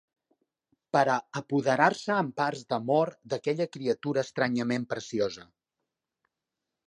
Per a apoderar-se amb arts d'amor d'aquella criatura estranyament preciosa